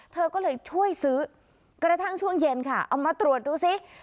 เธอก็เลยช่วยซื้อกระทั่งช่วงเย็นค่ะเอามาตรวจดูซิ